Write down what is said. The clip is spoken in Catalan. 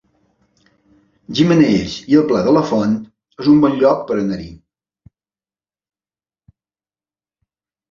Gimenells i el Pla de la Font es un bon lloc per anar-hi